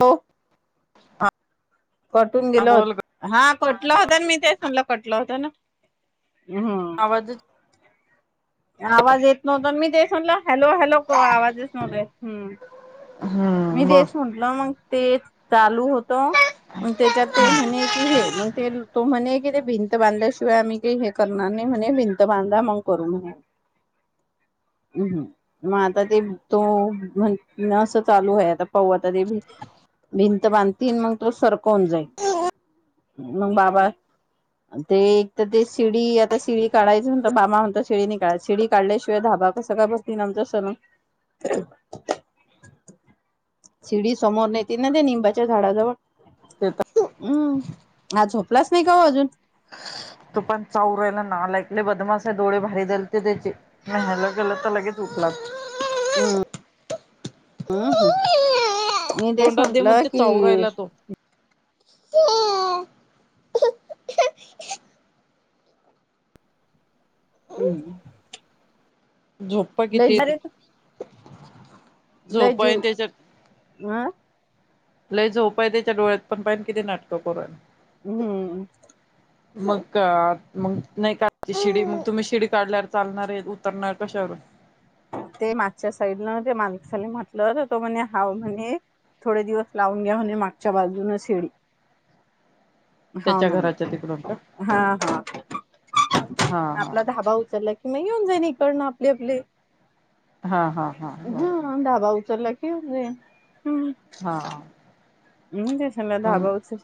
हो. हा कट होऊन गेल होत बोल ग हा कटलं होता न मी तेच म्हटलं कटलं होत ना हम्म आवाज येतो आवाज येत नव्हता अन मी ते म्हणला हॅलो हॅलो को आवाजच नव्हता येत हं मी हम्म बोल तेच म्हटलं मग ते चालू हो त मग त्याच्यात म्हणे की हे मग तो म्हणे भिंत बांधल्याशिवाय आम्ही काही हे करणार नाही म्हणे भिंत बांधा मग करू म्हणे हं मग आता ते तो म्ह चालू आहे आता प तरी भी भिन त बांधतील मग तो सरप कोन जाईल. मग बाबा ते एक तर ते शिडी आता शिडी काढायचं म्हणत बामा म्हणता शिडीने काढाय शिडी काढल्याशिवाय धाबा कसं काय बघतील आमच सलून [inaudible] शिडी समोर नेत ना ते निंबाच्या झाडाजवळ ते तर हम्म अजो प्लास नाही का अजून तो पण चाऊरायला ना नालायक बदमास डोळे भारी दलते त्याचे म ह्याला गल तर लगेच उठला. हम हम् हम मी देश तोंडात दे म्हटला म्हणते की चावू राहिला [inaudible] हम्म झोप्पा किती? झोप आहे त्याच्या आं? लय झोपा आहे त्याच्या डोळ्यात पण पाहिन किती नाटक करून राहिलं हम्म मग का मग नाही का शिडी तुम्ही शिडी काढल्यावर चालणार आहे उतरणार कशावरून? ते मागच्या साईडन ते मालिक साली म्हटलं तर तो म्हणे हाव म्हण थोडे दिवस लावून घ्या म्हणे मागच्या बाजून शेडी. हा त्याच्या म्हणे घराच्या तिकडून का हा हा हा हा आपला धाबा उचलला. नाही येऊन जाईन इकडन आपले आपले हा हा हा हा बरोबर ढाबा उचलला की [unintelligible] हा. हम्म तेच ढाबावरच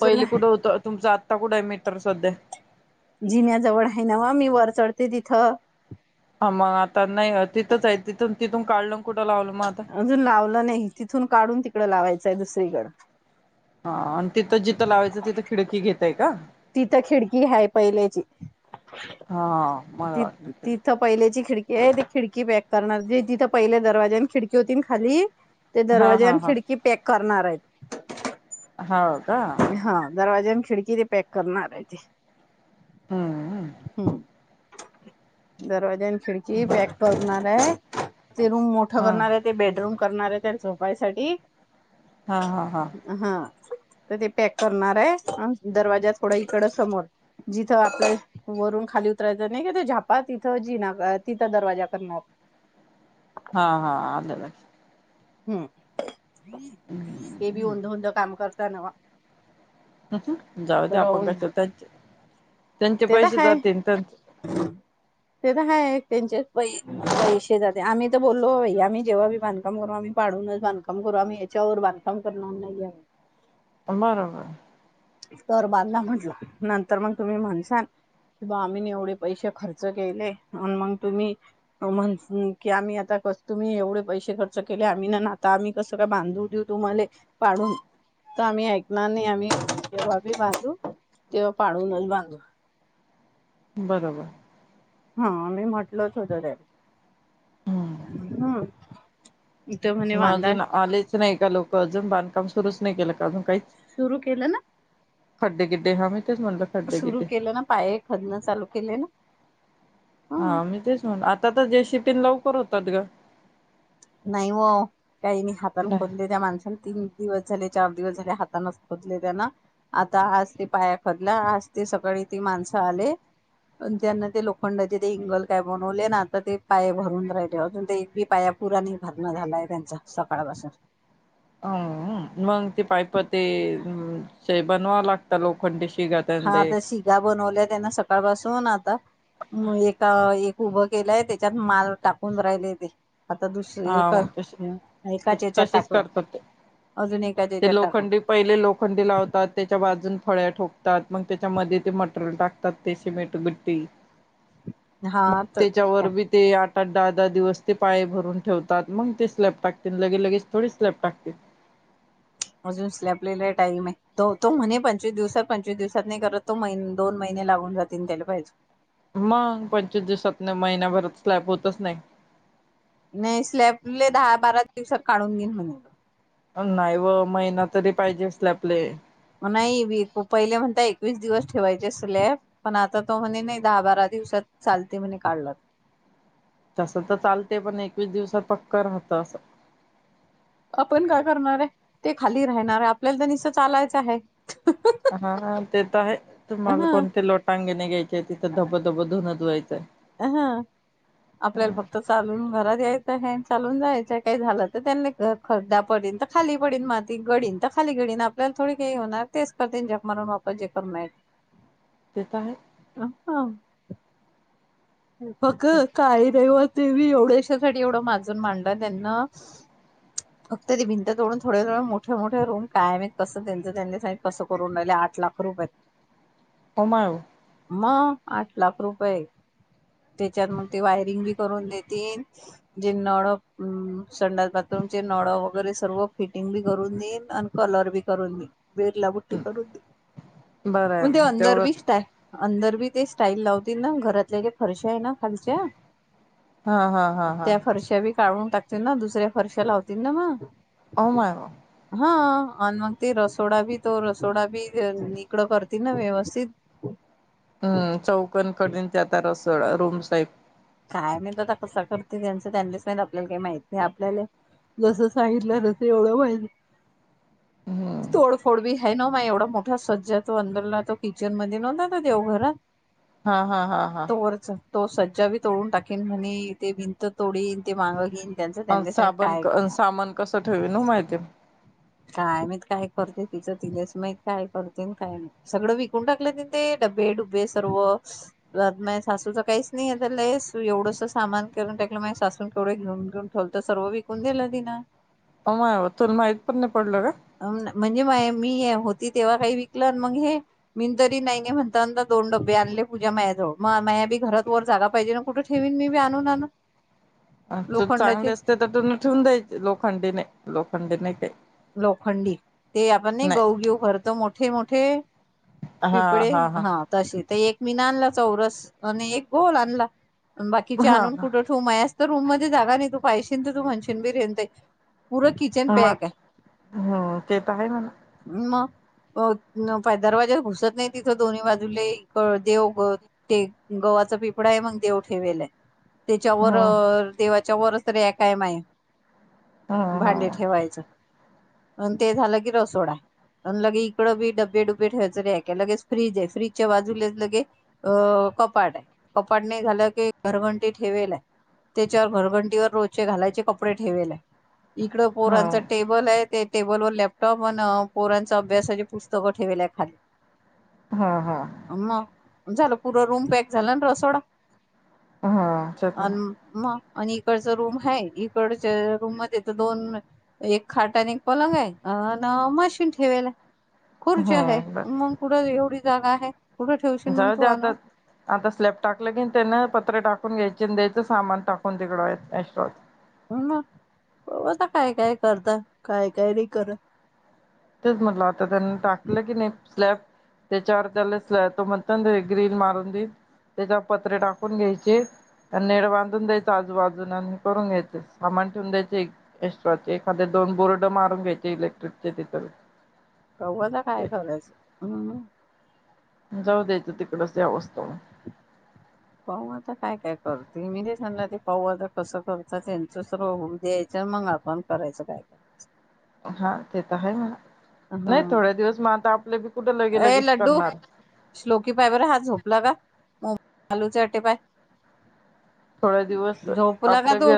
पहिले कुठं होत तुमचा आता कुठं आहे मीटर सध्या जिण्यायाजवळ आहे ना वा मी वर चढते तिथं ह मग आता नाही तिथंच आहे तिथून तिथून काढलं कुठं लावलं? मग आता अजून लावलं नाही तिथून काढून तिकड लावायचं. आहे दुसरीकड हा आणि तिथं जिथं लावायचं तिथं खिडकी घेतय का तिथं खिडकी हाय पहिल्याची हा मला वाटतल हे ते खिडकी पॅक करणार जे तिथं पहिल्या दरवाज्याने खिडकी होतीन खाली ते हा दरवाजे हा आणि हा खिडकी पॅक करणार आहेत. हो का हा दरवाजे न खिडकी किती पॅक करणार ये ते हम्म दरवाज्यान खिडकी बर पॅक करणार आहे ते रूम मोठं हा करणार ये ते बेडरूम करणार ये त्याल झोपायसाठी हा हा हा तर ते पॅक करणार आहे दरवाजा थोड इकड समोर जिथं आपल्या वरून खाली उतरायचं नाही का ते झापा तिथं जिना तिथं दरवाजा करणार ये हा हा आले लक्षात हम्म ते बी ओंध ओंध काम करत त नवा ह जाऊ द्या तर आपण कशाला त्यांचे ते तर पैसे हाय जातील तर ते तर हाय त्यांचे पै पैसे जाते आम्ही तर बोललो आम्ही जेव्हा बी बांधकाम करू आम्ही पाडूनच बांधकाम करू आम्ही याच्यावर बांधकाम करणार नाही आ बरोबर तर बांधला म्हटला नंतर मग तुम्ही म्हणसाल की बा आम्ही एवढे पैसे खर्च केले मग तुम्ही म्हण की आम्ही आता तुम्ही एवढे पैसे खर्च केले आम्ही ना आता आम्ही कसं काय बांधू देऊ तुम्हाले पाडून तर आम्ही ऐकणार नाही आम्ही जेव्हा भी बांधू तेव्हा पाडूनच बांधू बरोबर हा मी म्हटलोच होत ते हम्म म अजून आलेच नाही का, लोक. म अजून बांधकाम सुरूच नाही केलं का? अजून काही. सुरू केलं ना? खड्डे गिड्डे [unintelligible] खड्डे सुरू गिड्डे केलं ना, पाय खदनं चालू केले ना? ह हा मी तेच, म्हण आ आता जेसीबी लवकर होतात गं. नाही हो, काही नाय हाताने नाही खोदले त्या माणसाने तीन दिवस. झाले चार दिवस झाले हातानेच खोदले त्यांन आता आज ते पाया खोदला आज ते सकाळी ते माणसं आले, अन त्यांना ते लोखंडाचे ते इंगल काय बनवले ना आता ते पाया भरून राहिले, अजून ते एक बी पाया [unintelligible] झालाय त्यांचा सकाळ पासून अ मग ते पाईप ते ते बनवावं लागतं लोखंडी शिगा हां त्यानले आता शिगा बनवल्या त्यानं सकाळपासून आता म एका एक उभं केलंय त्याच्यात माल टाकून राहिले ते. आता दुस हां एका म तशे एकाच्या याच्यात तसेच टाकलं करतात ते. अजून एकाच्या ते याच्यात टाकलं लोखंडी पहिले लोखंडी लावतात त्याच्या बाजू फळ्या ठोकतात मग, त्याच्यामध्ये ते मटेरियल टाकतात ते सिमेंट गट्टी हा मग तर त्याच्यावर का [unintelligible] पण दहा दहा दिवस ते पाये भरून ठेवतात मग ते स्लॅब टाकतील. लगे लगेच थोडी स्लॅब टाकतील. अजून स्लॅपले लय टाईम आहे तो तो म्हणे पंचवीस दिवसात, पंचवीस दिवसात नाही करत तो महिन दोन महिने लागून जातील त्याला पाहिजे. मग पंचवीस दिवसात नाही महिनाभरात स्लॅब होतच नाही. नाही स्लॅबले दहा बारा दिवसात काढून घेईन म्हणेल अ नाही ओ महिना तरी पाहिजे स्लॅपले. नाही बी को पहिले म्हणता एकवीस दिवस ठेवायचे स्लॅप, पण आता तो म्हणे नाही दहा-बारा दिवसात चालते म्हणे काढला तसं तर चालते पण एकवीस दिवसात पक्क राहतं असं. आपण काय करणार आहे. ते खाली राहणार आहे आपल्याला तर निसतं चालायचं आहे. हा ते तर आहे तुम्हाला ह कोणते लोटां गणे घ्याय चीय तिथं धबधब धुन धुवाय हां आपल्याला फक्त चालून घरात याय त हे चालून जायचं. काय झालं त त्यांनी ख-खड्डा पडीन त खाली पडीन, माती गडीन त खाली गडीन, आपल्याल् थोडी काही होणार. तेच त तेंच्या मनून वापजे करून नायच्. ते तर आहे अं, हां बग, काही देवत ते वी एवढ्याशासाठी एवढं माजून मांडलं त्यांना, फक्त ते भिंत तोडून थोड्या थोड्या मोठे मोठ्या रूम, काय मीत कसं त्यांच त्यांनी हंय कसं करून राहिले आठ लाख रुपयत. उमाव. मं, आठ लाख रुपये. त्याच्यात मग ते वायरिंग बी करून देतीन. जे नळं अम् संडास बाथरूमचे नळं वगैरे सर्व फिटिंग बी करून देईन आणि कलर बी करून देईन. बिर्ला पुट्टी करून दे, बरं आहे मंदे मग अंदर तेवढंच बिष्ट आस् अंदर बी ते स्टाईल लावतील ना, घरातल्या जे. हर्ष आहे ना. खालच्या हा हा हा हा त्या फरशा, बी काढून टाक. ते ना दुसऱ्या फर्शा लावतील ना मग. हो मग. हा आणि मग ते रसोडा बी तो रसोडा बी निकडं करतील ना व्यवस्थित. हम्म चौकन कडन त्याचा रस. रूम्स [inaudible] काय माहीत आता कस करते, त्यांचं त्यांनीच माहित आपल्याला काही माहत नाही. आपल्याला जसं सांगितलं तस एवढं माहिती. हम्म तोड फोड बी.. आहे ना म एवढा मोठा सज्जा तो अंदोलला तो किचन मध्ये नव्हता ना देवघरात. हा हा हा हा. तो वरचा तो सज्जा विथ. तोडून टाकेन म्हणे, ते भिंत तोडीन. ते मागं घेईन त्यांचं अ त्यांनाच माहित साबण काय सामान कसं ठेवल ओ माहिती. काय मात काय करते तिचं तिनेच माह काय करते काय नाही सगळं विकून टाकलं ति ते डबे डुबे सर्व मा सासूच काहीच नाही लस एवढंस सामान करून टाकलं मा सासून केवढे घेऊन घेऊन ठेवल तर सर्व विकून दिलं तिन तुला माहित पण नाही पडलं म्हणजे मा मी होती तेव्हा काही विकलं मग हे मी तरी नाही नाही म्हणता अ दोन डबे आणले पूजा माया्याजवळ मग माया बी घरात वर जागा पाहिजे ना कुठे ठेवीन मी बी आणून आण अ तू चांगले लोखंडाचे असते तर तु ठेवून द्यायचे लोखंडीने लोक पड नाही का लोखंडी ते आपण नाही गहगीऊ खर तर मोठ मोठे मोठे पिपळे हा तशीच ते एक मीन आणला चौरस आणि एक गोल आणला बाकीचे आणून हा कुठं ठेू म आहेस तर रूम मध्ये जागा नाही त पाहिशन तर तू म्हणशन बीरेन पूरा किचन पॅक आहे हम् तेता आहे म ना मग दरवाज्या घुसत नाही तिथं दोन्ही बाजूले देव ते गवा्हाचा पिपळाा आहे मग देव ठेवेल आहे त्याच्यावर हम्म तेव च वर्सरी एका एमय हम्म भांडे हम्म ठेवायचं अ ते झालं की रसोडा आहे आणि लगे इकड बी डब्बे डुबे ठेवायच र आहेक लगेच फ्रीज आहे फ्रीजच्या बाजूलाच लगे अं कपाट आहे कपाट नाही झालं की घरघंटी ठेवेल आहे त्याच्यावर घरघंटीवर रोचे घालायचे कपडे ठेवेल आहे इकडं हम्म पोरांचं टे ते टेबल व लॅपटॉप व पोरांच अभ्यासाची पुस्तकं ठेलेल्या आहे खाली हा, हा, मग झालं पूर रूम पॅक झाला ना, सोडा. हम्म हम्म आन. आणि इकडचा रूम आहे, इकडच्या रूम मध्ये तर दोन एक- खाटा आणि एक पलंगा हाय, अन मशीन ठेवायला. खुर्च आहे हम्म मग कुठं एवढी. जागा आहे. कुठं ठेवशील मग तू जाऊदे ते, आण आता आता स्लॅब टाकलं की त्यान पत्र टाक ण घ्यायचे, द्यायचं सामान टाकून तिकडत हो, ना आता काय काय करता काय काय नाही करत- तेच म्हटलं आता त्यांनी टाकलं की नाही, स्लॅब त्याच्यावर त्याला स्लँब तो म्हण, ग्रीन मारून देईन त्याच्यावर पत्रे टाकून घ्यायचे, नेळ बांधून द्यायच आजूबाजून आणि करून घ्यायचे सामान ठेवून द्यायचे एस्ट्राचे एखाद दोन बोर्ड मारून घ्यायचे इलेक्ट्रिकचे तिथे- चाले [unintelligible] कववाता काय करायच हम्म [unintelligible] जाऊ द्यायचं, तिकडच यावं असत. पाहू, आता काय काय कर तुम्ही मी ते सांगला ते पाहू आता कसं करत त्यांच सर्व होऊ द्यायच, मग आपण करायचं काय करायचं. हा तेत हाय म्हणा. हा, नाही थोड्या दिवस मग आता आपले बी कुठे लगे अ लगेच लड्डू, करणार श्लोकी पाय बर हा झोपला का? हो आलूचेटे पाय. थोड दिवस झोपला का आपल्या तू बी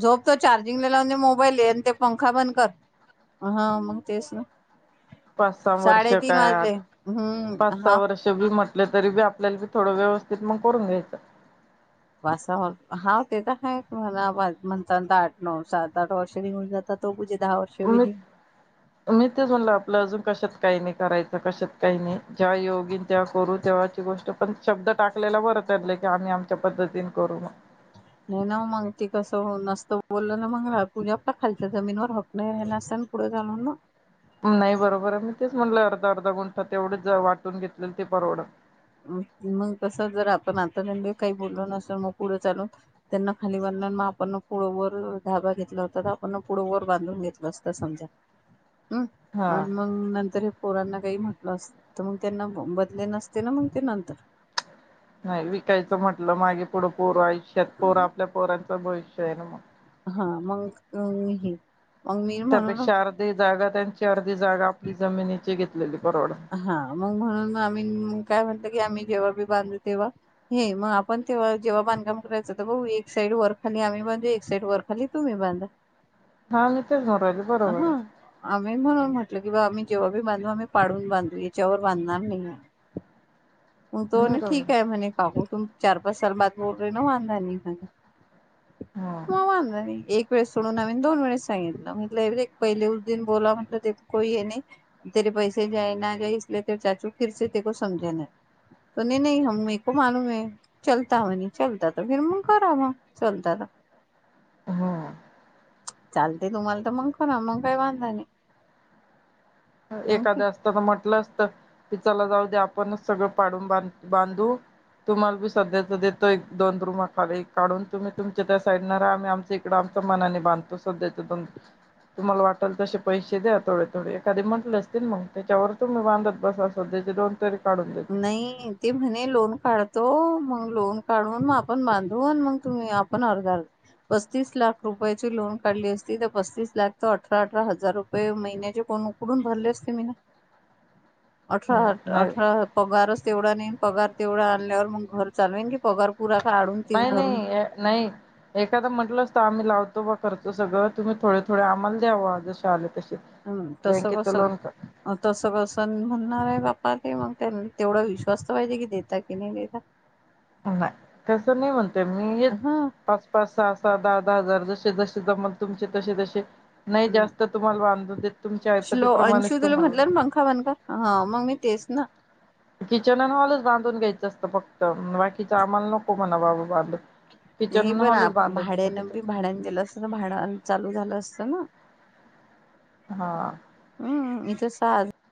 झोप तो चार्जिंगला लावे मोबाईल ये आणि ते पंखा बंद कर हा मग तेच ना. पाच सहा वर्ष साडेतीन काय वाजले हम्म पाच सहा हा वर्ष बी म्हट आपलं तरी बी आपल्याला बी थोडं व्यवस्थित मग करून घ्यायचं. वासा हा ते तर काय म्हणताता आठ नऊ सात आठ वर्ष निघून जात तो पूजेत. मी मी तेच म्हणल आपलं अजून कशात काही - करायच कशात काही नाही, जेव्हा योगीन तेव्हा करू तेव्हाची गोष्ट पण शब्द टाकलेला बरतलं की आम्ही आमच्या पद्धतीन करू मग. नाही ना मग ती कसं नसतं बोललं ना मग रा [unintelligible] जे आपल्या खालच्या जमीिनवर हक नाही रा नसतना पुढे झाल ना. नाही बरोबर आहे मी तेच म्हटलं अर्धा-अर्धा गुंठात तेवढच वाटून घेतलेल ती परवडंल. मग कस जर आपण आता त्यां काही बोललो नसल मग पुढं चालून त्यांना खाली बन मग आपण पुळं व धाबा घेतला होता आपण पुढं व बांधून घेतलं असत समजा. हम् हा आणि मग नंतर पोरांना काही म्हटलं, अस तर मग त्यांना बदले नसते ना, मग. ते नंतर. नाही विकायचं म्हटलं मागे पुढं पोर आहे शेत पोर आपल्या पोरं भविष्य ये ना म. हा मग हे मग मी म्हणून त्यापेक्ष अर्धी जाग त्यांच्या ती जागा आपली जमीनी घेतलेले. हा मग म्हणून आम्ही काय म्हटत की आम्ही जेव्हा बी बांधू तेव्हा हे मग आपण तेव्हा जेव्हा बांधकाम करायचं तर भाऊ एक साईड वर खाली आम्ही बांधू एक साईड वर खाली तुम्ही बांधा. हा मी तेच म्हणून रायले, बरोबर आहे. ी म्हून म्हटलं किं आम्ही जेव्हाी बांधू आम्ही पाडून बंदु चवरवर बंधणार मी. म तो आहे बरोबर ठीक आहे म्हणे काकू तुम. चार पाच साल बाद मोटरी न वाांधा नाही ह. हम्म म वा नाही एक? वेळस सोडून आम् दोन वेस सांगितलं म्हट एक पहिले उद् दि बोला म्हटलं ते कोई आहे नाही तरी पैसे जाय ना जसले तरी चाचू फिरचे तेक समजा ने आई. तो नाही नाही ह मक मालू मै चलता म चलता त फिर म क आ चलता. हा चालते तुम्हाला तर मग ख ना मग काय बांधा नाही मग एखादं असत तर म्हटलं अस हे चला जाऊ दे आपणच सगळं पाडून बांध बांधू तुम्हाला बी सध्याच देतो एक दोन रुमाखाली काढून तुम्ही तुमच्या त्या साईड न आ्ही आमच इकडं आमच्या मनाने बांधतो सध्याच दोन तुम्हाला वाटेल तसे पैसे द्या थोडे थोडे कधी म्हंटले असतील मग त्याच्यावर तुम्ही बांधत बसा अस त्याचे दोन तरी काढून देतो नाही ते म्हणे लोन काढतो मग लोन काढून मग आपण बांधू मग तुम्ही आपण अर्धा पस्तीस लाख रुपयाची लोन काढली असती तर पस्तीस लाख त अठरा अठरा हजार रुपये महिन्याचे कोण उकडून भरले असते मी ना अठरा नाही नाही अठरा तेवढा नाही पगार तेवढा आणल्यावर मग घर चालवेन की पगार पुरा काढून ते नाही भरून नाही नाही एखादां म्हटल असत आम्ही लावतो त बघ करतो सगळं तुम्ही थोडे थोडे आम्हाल द्यावा जं आले तसे हम् तस बँकेच कस लोन तस कसं म्हणणार आहे बा ते मग त्यां तेवढा विश्वास तर पाहिजे की देता की नाही देता नाही तस नाही म्हणते मी हा पाच पाच सहा सहा दहा हजार जसे जसे जमल तुमचे तसे तसे नाही हम् जास्त तुम्हाला बांधून देत तुमच्या शलो ऐपतीप्रमाणेच अंशू तुला तुम्हाला म्हटलं ना पंखा बंद कर हा मग मी तेच ना किचन आणि हॉलच बांधून घ्यायचं असतं फक्त बाकीच आम्हाला नको म्हणा बाबा बांध हे पण भाड्यानी भाड्या गेलं असत ना भाड चालू झालं असतं ना हा हम्म [unintelligible]